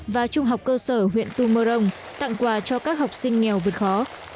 và trung học cơ sở huyện tumorong tặng quà cho các học sinh nghèo vượt khó